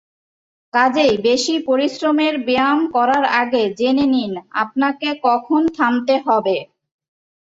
কাজেই বেশি পরিশ্রমের ব্যায়াম করার আগে জেনে নিন, আপনাকে কখন থামতে হবে।